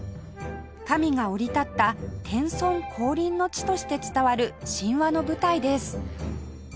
神が降り立った天孫降臨の地として伝わる神話の舞台です